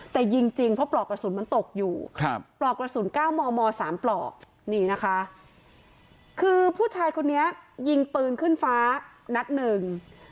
แต่ยิงจริงเพราะปลอกกระสุนมันตกอยู่ครับปลอกกระสุน๙มม๓ปลอกนี่นะคะคือผู้ชายคนนี้ยิงปืนขึ้นฟ้านัดหนึ่ง